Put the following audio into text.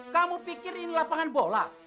kamu pikir ini lapangan bola